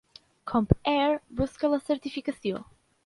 Comp Air busca la certificació.